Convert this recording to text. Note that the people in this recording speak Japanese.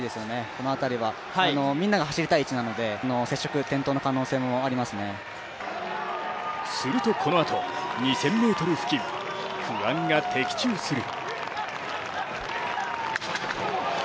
この辺りは、みんなが走りたい位置なのでするとこのあと２０００ｍ付近、不安が的中する。